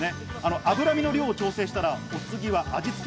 脂身の量を調整したら、お次は味付け。